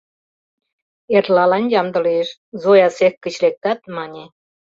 — Эрлалан ямде лиеш, — Зоя цех гыч лектат, мане.